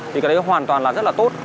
thì cái đấy hoàn toàn là rất là tốt